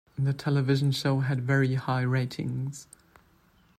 The television show had very high ratings.